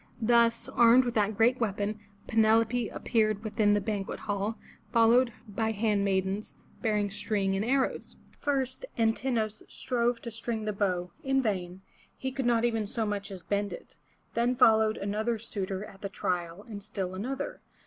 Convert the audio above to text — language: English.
Thus, armed with that great weapon, Penelope appeared within the banquet hall, followed by hand maidens, bearing string and arrows. First An tin'o us strove to string the bow — in vain, he could not even so much as bend it. Then followed another suitor at the trial and still another.